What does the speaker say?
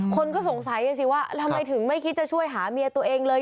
คนก็สงสัยสิว่าทำไมถึงไม่คิดจะช่วยหาเมียตัวเองเลย